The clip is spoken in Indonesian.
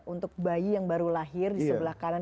untuk bayi yang baru lahir di sebelah kanan